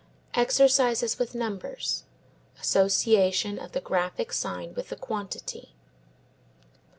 Exercises with Numbers. Association of the graphic sign with the quantity.